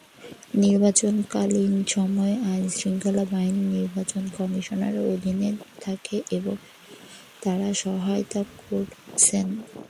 নির্বাচনকালীন সময়ে আইনশৃঙ্খলা বাহিনী নির্বাচন কমিশনের অধীনে থাকে এবং তারা সহায়তা করছেন।